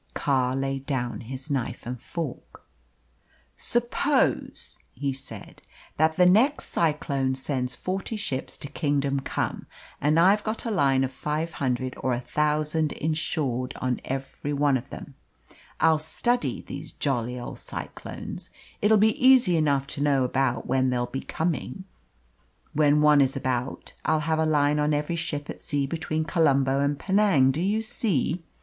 Carr laid down his knife and fork. "Suppose," he said, "that the next cyclone sends forty ships to kingdom come, and I've got a line of five hundred or a thousand insured on every one of them. I'll study these jolly old cyclones. It will be easy enough to know about when they'll be coming. When one is about I'll have a line on every ship at sea between Colombo and Penang do you see?